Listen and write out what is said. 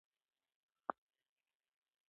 مخ یې واړاوه او روان شول، بیا مې ورته وویل: ودرېږئ.